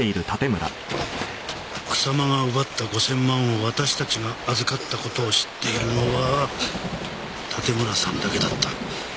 草間が奪った５千万を私たちが預かった事を知っているのは盾村さんだけだった。